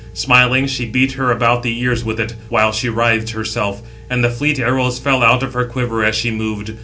Smiling, she beat her about the ears with it, while she writhed herself; and the fleet arrows fell out [of her quiver, as she moved].